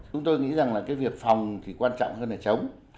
chúng tôi nghĩ rằng việc phòng thì quan trọng hơn là chống